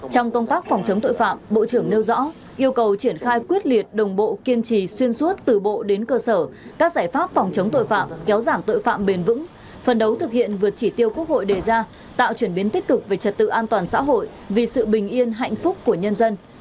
trong công tác phòng chống tội phạm bộ trưởng nêu rõ yêu cầu triển khai quyết liệt đồng bộ kiên trì xuyên suốt từ bộ đến cơ sở các giải pháp phòng chống tội phạm kéo giảm tội phạm bền vững phân đấu thực hiện vượt chỉ tiêu quốc hội đề ra tạo chuyển biến tích cực về trật tự an toàn xã hội vì sự bình yên hạnh phúc của nhân dân